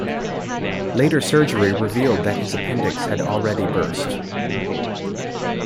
Later surgery revealed that his appendix had already burst.